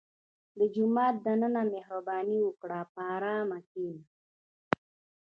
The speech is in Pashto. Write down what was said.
• د جومات دننه مهرباني وکړه، په ارام کښېنه.